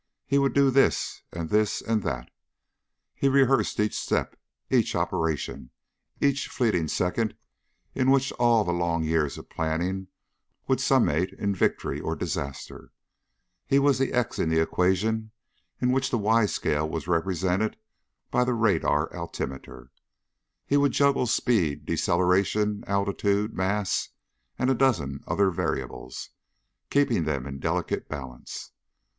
He would do this and this and that. He rehearsed each step, each operation, each fleeting second in which all the long years of planning would summate in victory or disaster. He was the X in the equation in which the Y scale was represented by the radar altimeter. He would juggle speed, deceleration, altitude, mass and a dozen other variables, keeping them in delicate balance.